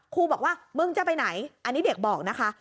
ครูบอกว่ามึงจะไปไหนอันนี้เด็กบอกนะคะ